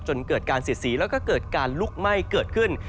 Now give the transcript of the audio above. จนเกิดการเสียดสีแล้วก็เกิดการลุกไหม้เกิดขึ้น